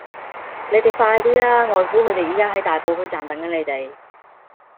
你哋快啲啦!岳父佢哋而家喺大埔墟站等緊你哋